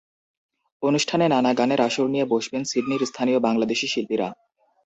অনুষ্ঠানে নানান গানের আসর নিয়ে বসবেন সিডনির স্থানীয় বাংলাদেশি শিল্পীরা।